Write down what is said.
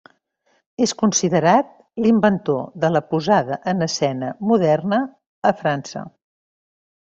És considerat l'inventor de la posada en escena moderna, a França.